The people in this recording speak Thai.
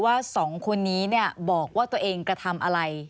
วันนี้เนี่ยบอกว่าตัวเองกระทำอะไร